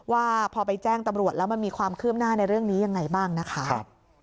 ว่าพอไปแจ้งตำรวจแล้วมันมีความคืบหน้าในเรื่องนี้ยังไงบ้างนะคะ